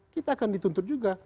kita akan dituntut juga